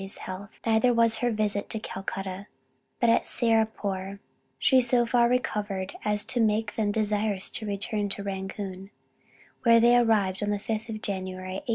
's health, neither was her visit to Calcutta; but at Serampore she so far recovered as to make them desirous to return to Rangoon, where they arrived on the 5th of January, 1821.